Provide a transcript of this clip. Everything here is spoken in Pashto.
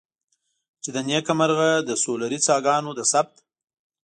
چې له نیکه مرغه د سولري څاګانو د ثبت.